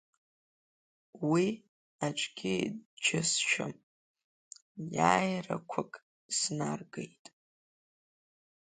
Уи, аӡәгьы иџьысшьом, иааирақәак снаргеит.